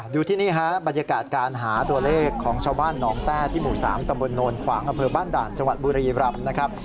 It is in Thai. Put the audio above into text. ที่นี่ฮะบรรยากาศการหาตัวเลขของชาวบ้านหนองแต้ที่หมู่๓ตำบลโนนขวางอำเภอบ้านด่านจังหวัดบุรีรำนะครับ